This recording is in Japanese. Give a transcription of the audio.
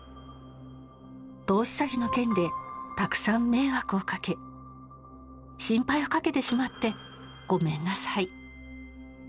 投資詐欺の件でたくさん迷惑をかけ心配をかけてしまってごめんなさい。